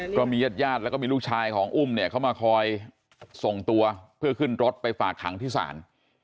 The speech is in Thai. ก็มีญาติญาติแล้วก็มีลูกชายของอุ้มเนี่ยเขามาคอยส่งตัวเพื่อขึ้นรถไปฝากขังที่ศาล